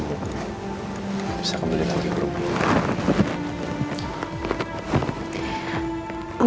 gak bisa kembali lagi ke rumah